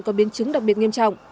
có biến chứng đặc biệt nghiêm trọng